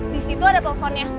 di situ ada teleponnya